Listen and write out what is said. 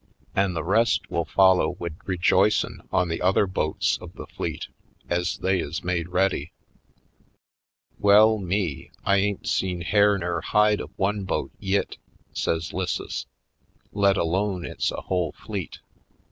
"An' the rest will follow wid rejoicin' on the other boats of the fleet, ez they is made ready." "Well, me, I ain't seen hair nur hide of one boat yit," says 'Lisses, "let alone it's a whole fleet."